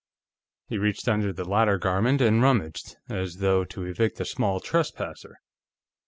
He reached under the latter garment and rummaged, as though to evict a small trespasser.